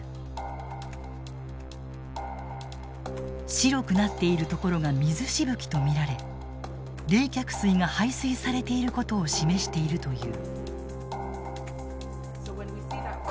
白くなっているところが水しぶきと見られ冷却水が排水されていることを示しているという。